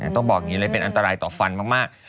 ต้องบอกอย่างนี้เลยเป็นอันตรายต่อฟันมาก